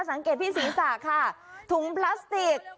สังเกตที่ศีรษะค่ะถุงพลาสติก